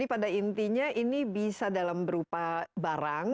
maksudnya ini bisa dalam berupa barang